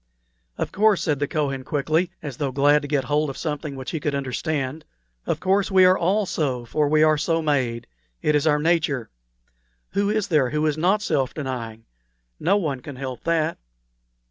"Of course," said the Kohen, quickly, as though glad to get hold of something which he could understand, "of course we are all so, for we are so made. It is our nature. Who is there who is not self denying? No one can help that."